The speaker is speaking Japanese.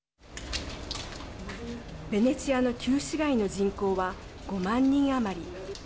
ベネチアの旧市街の人口は５万人余り。